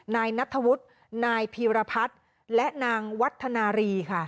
นายนัทธวุฒินายพีรพัฒน์และนางวัฒนารีค่ะ